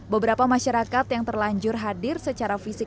beberapa masyarakat yang terlanjur hadir secara fisik